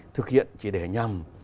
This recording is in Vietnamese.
thực hiện chỉ để nhằm